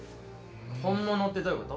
本物ってどういうこと？